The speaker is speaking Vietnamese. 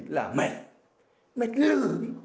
là mệt mệt lử